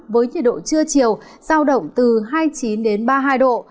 với nhiệt độ trưa chiều sao động từ hai mươi chín ba mươi hai độ